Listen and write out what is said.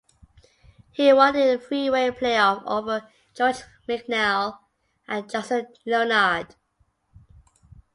He won in a three-way playoff over George McNeill and Justin Leonard.